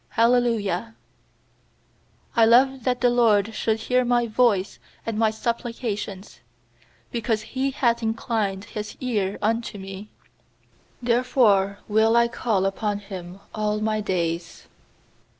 Hallelujah. 1 1 ft I love that the LORD shoulc 110 hear My voice and my supplications. 2Because He hath inclined His eai unto me, Therefore will I call upon Him all my days.